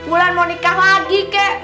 bulan mau nikah lagi kek